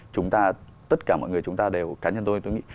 chúng ta tất cả mọi người chúng ta đều cá nhân tôi tôi nghĩ